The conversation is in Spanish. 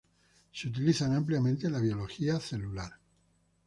Se utilizan ampliamente en la biología celular.